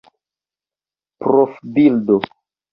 profbildo